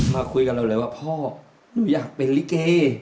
มาคุยกับเราเลยว่าพ่อหนูอยากเป็นลิเก